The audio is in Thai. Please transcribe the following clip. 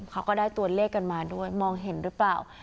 เขาก็ได้ตัวเลขกันมาด้วยมองเห็นหรือเปล่า